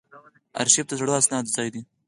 ارشیف د زړو اسنادو ځای دی